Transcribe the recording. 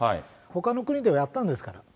ほかの国ではやったんですから。